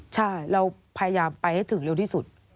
ใช่เราพยายามไปให้ถึงเร็วที่สุด